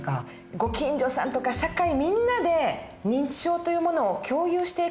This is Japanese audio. ご近所さんとか社会みんなで認知症というものを共有していく事も大事ですね。